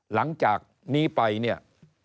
หลังจากนี้ไปเนี่ย